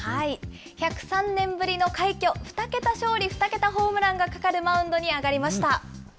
１０３年ぶりの快挙、２桁勝利２桁ホームランがかかるマウンドに上がりました。